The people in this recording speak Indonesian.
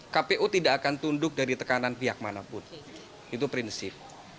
kpu tidak akan tunduk dari tekanan pihak manapun itu prinsip